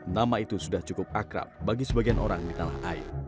nama itu sudah cukup akrab bagi sebagian orang di tanah air